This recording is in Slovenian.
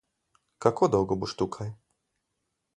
Kako dolgo boš tukaj?